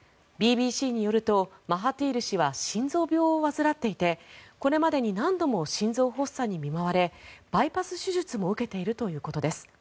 ＢＢＣによるとマハティール氏は心臓病を患っていてこれまでに何度も心臓発作に見舞われバイパス手術も受けているということです。